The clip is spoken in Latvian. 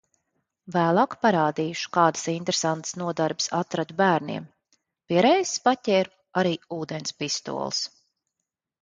Vēlāk parādīšu, kādas interesantas nodarbes atradu bērniem. Pie reizes paķēru arī ūdens pistoles.